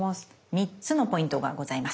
３つのポイントがございます。